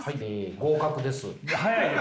合格です。